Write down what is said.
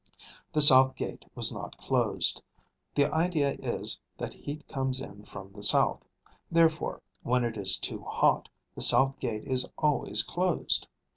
The south gate was not closed. The idea is, that heat comes in from the south; therefore, when it is too hot, the south gate is always closed.